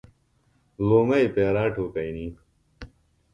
لُومئی پیرا ٹُوکئنی۔